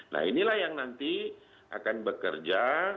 nah inilah yang nanti akan bekerja